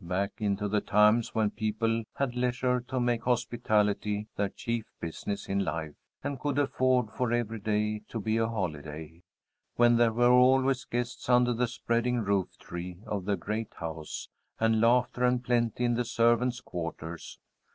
Back into the times when people had leisure to make hospitality their chief business in life, and could afford for every day to be a holiday. When there were always guests under the spreading rooftree of the great house, and laughter and plenty in the servants' quarters.